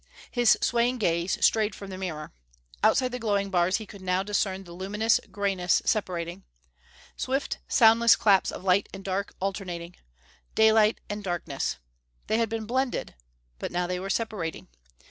His swaying gaze strayed from the mirror. Outside the glowing bars he could now discern the luminous greyness separating. Swift, soundless claps of light and dark, alternating. Daylight and darkness. They had been blended, but now they were separating.